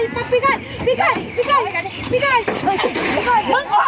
นั่นชิคกี้พาย